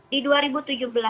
di dua ribu tujuh belas